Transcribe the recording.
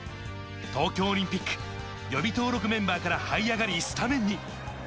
東京オリンピック予備登録メンバーから這い上がり、スタメンに。